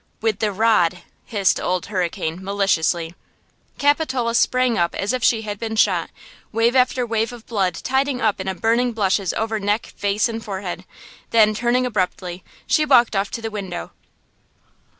"With the rod!" hissed Old Hurricane, maliciously. Capitola sprang up as if she had been shot, wave after wave of blood tiding up in a burning blushes over neck, face and forehead; then, turning abruptly, she walked off to the window.